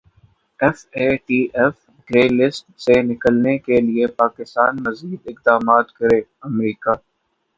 F A T F grey list سے نکلنے کیلئے پاکستان مزید اقدامات کرے امریکا